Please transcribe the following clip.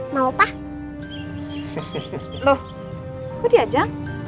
boleh ya ma